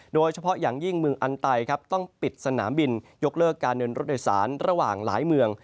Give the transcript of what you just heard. โดยเฉพาะอย่างยิ่งเมืองอันไตครับต้องปิดสนามบินยกเลิกการเดินรถโดยสารระหว่างหลายเมือง